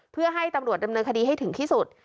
เพื่อให้ตำรวจดำเนินคดีให้ถึงที่สุด